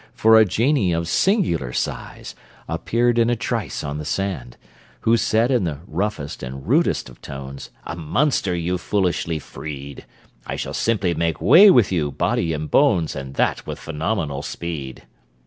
For a genie of singular size Appeared in a trice on the sand, Who said in the roughest and rudest of tones: "A monster you've foolishly freed! I shall simply make way with you, body and bones, And that with phenomenal speed!"